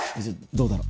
どうだろう？